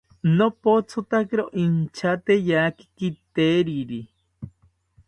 Nopothotakiro inchateyaki kiteriri